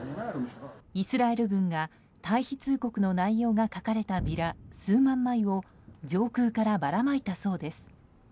イスラエル軍が退避通告の書かれたビラ数万枚を上空からばらまいたそうです。